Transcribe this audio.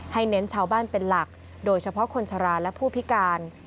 เน้นชาวบ้านเป็นหลักโดยเฉพาะคนชะลาและผู้พิการ